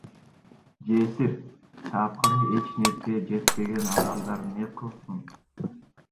Жесир, тапканы эч нерсеге жетпеген адамдар не кылсын?